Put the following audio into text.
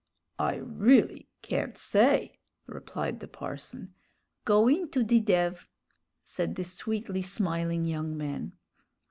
"I really can't say," replied the parson. "Goin' to de dev'," said the sweetly smiling young man.